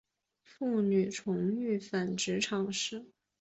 妇女欲重返职场时